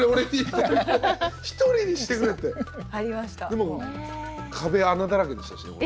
でもう壁穴だらけでしたし。